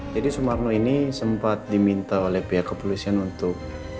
jadi sumarno ini sempat diminta oleh pihak kepolisian untuk